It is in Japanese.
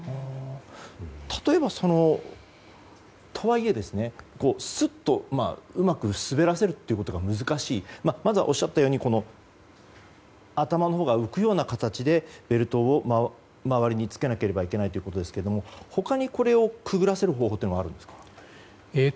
例えば、とはいえうまく滑らせることが難しいまずはおっしゃったように頭のほうが浮くような形でベルトを周りにつけなければいけないということですけれども他に、これをくぐらせる方法はあるんですか？